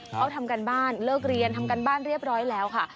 เขาทำการบ้านเลิกเรียนทำการบ้านเรียบร้อยแล้วค่ะ